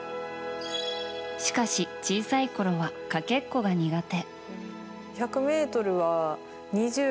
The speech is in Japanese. しかし、小さいころはかけっこが苦手。